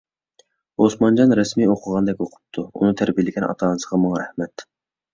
ئوسمانجان رەسمىي ئوقۇغاندەك ئوقۇپتۇ. ئۇنى تەربىيەلىگەن ئاتا-ئانىسىغا مىڭ رەھمەت!